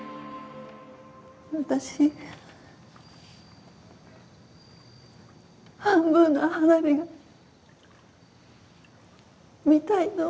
私、半分の花火が見たいの。